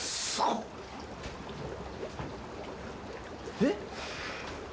えっ？